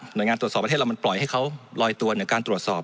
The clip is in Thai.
โดยงานตรวจสอบประเทศเรามันปล่อยให้เขาลอยตัวในการตรวจสอบ